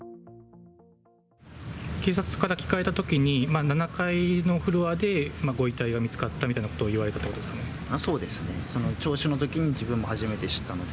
警察から聞かれたときに、７階のフロアでご遺体が見つかったみたいなことを言われたんですそうですね、その聴取のときに自分も初めて知ったんで。